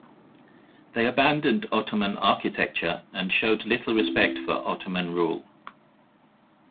They abandoned Ottoman architecture and showed little respect for Ottoman rule.